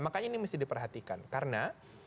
makanya ini mesti diperhatikan karena